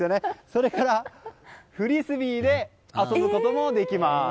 それから、フリスビーで遊ぶこともできます。